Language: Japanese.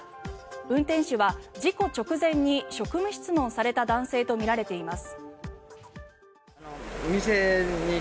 運転手は事故直前に職務質問された男性とみられています。